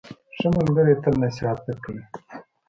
ښه ملګری تل نصیحت درکوي.